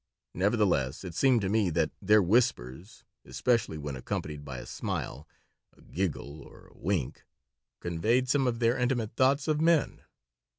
Nevertheless, it seemed to me that their whispers, especially when accompanied by a smile, a giggle, or a wink, conveyed some of their intimate thoughts of men.